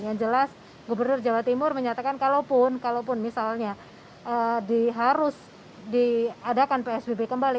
yang jelas gubernur jawa timur menyatakan kalaupun misalnya harus diadakan psbb kembali